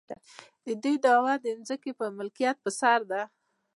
د دوی دعوه د ځمکې د ملکیت پر سر ده.